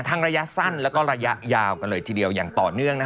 ระยะสั้นแล้วก็ระยะยาวกันเลยทีเดียวอย่างต่อเนื่อง